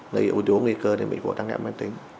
nơi ủi đố nguy cơ để bệnh phổi tăng nghẹn mãn tính